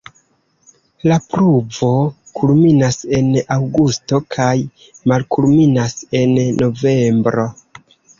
La pluvo kulminas en aŭgusto kaj malkulminas en novembro.